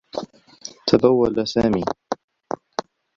تبوّل سامي.